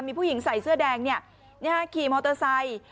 มีผู้หญิงใส่เสื้อแดงขี่มอเตอร์ไซค์